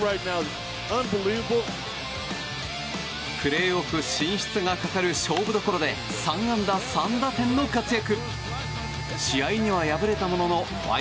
プレーオフ進出がかかる勝負どころで３安打３打点の活躍。